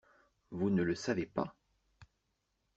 Vous ne le savez pas?